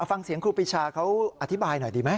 ฟังเสียงครูปีชาเขาอธิบายหน่อยดีไหม